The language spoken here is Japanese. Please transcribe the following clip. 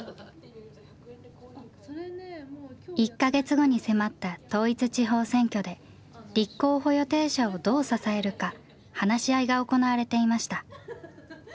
１か月後に迫った統一地方選挙で立候補予定者をどう支えるか話し合いが行われていました。